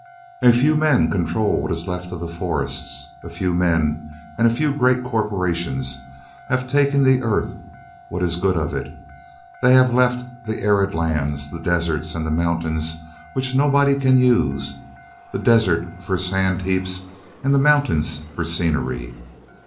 A few men control what is left of the forests, a few men and a few great corporations have taken the earth, what is good of it. They have left the arid lands, the desert and the mountains which nobody can use, the desert for sand heaps and the mountains for scenery.